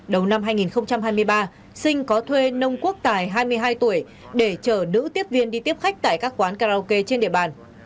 đầu năm hai nghìn hai mươi ba sinh có thuê nông quốc tài hai mươi hai tuổi để chở nữ tiếp viên đi tiếp khách tại các quán karaoke trên địa bàn